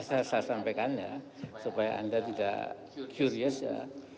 saya sampaikan ya supaya anda tidak curious ya